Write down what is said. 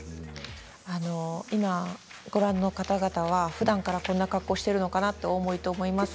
今、ご覧の方々がふだんからこんな格好をしているのかなとお思いだと思います